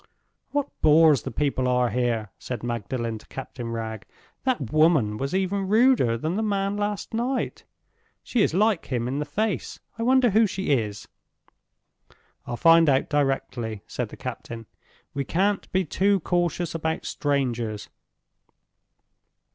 "What boors the people are here!" said Magdalen to Captain Wragge. "That woman was even ruder than the man last night. She is like him in the face. I wonder who she is?" "I'll find out directly," said the captain. "We can't be too cautious about strangers."